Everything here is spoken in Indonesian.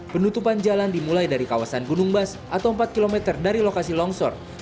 penutupan jalan dimulai dari kawasan gunung bas atau empat km dari lokasi longsor